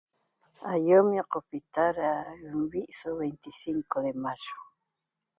Aýom ñoqopita da nvi' so 25 de mayo